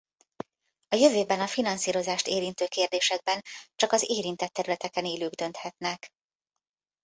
A jövőben a finanszírozást érintő kérdésekben csak az érintett területeken élők dönthetnek.